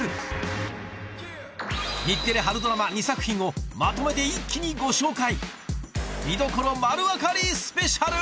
春ドラマ２作品をまとめて一気にご紹介